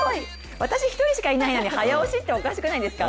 私一人しかいないのに、早押しっておかしくないですか！？